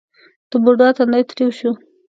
د بوډا تندی ترېو شو: